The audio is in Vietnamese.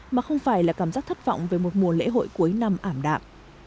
mà không phải là cảm giác thất vọng về một mùa lễ hội cuối năm ảm đạm